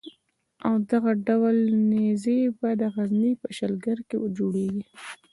او دغه ډول نېزې به د غزني په شلګر کې جوړېدې.